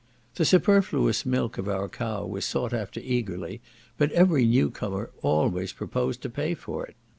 The superfluous milk of our cow was sought after eagerly, but every new comer always proposed to pay for it.